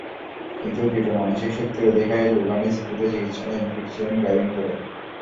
কিন্তু দৃঢ় মানসিক শক্তির অধিকারী লুগানিস দ্রুতই চিকিৎসা নিয়ে ফিরেছিলেন ডাইভিং বারে।